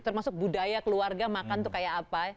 termasuk budaya keluarga makan tuh kayak apa